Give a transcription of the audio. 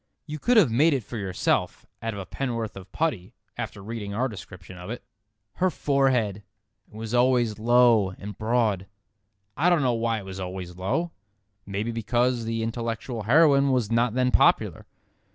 You could have made it for yourself out of a pen'orth of putty after reading our description of it. "Her forehead!" It was always "low and broad." I don't know why it was always low. Maybe because the intellectual heroine was not then popular.